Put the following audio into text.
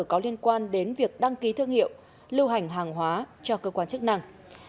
có liên quan đến việc đăng ký thương hiệu lưu hành hàng hóa cho cơ quan chức năng